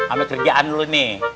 ambil kerjaan lo nih